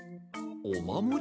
おまもり？